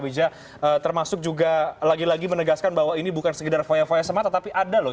wija termasuk juga lagi lagi menegaskan bahwa ini bukan sekedar foya foya semata tapi ada loh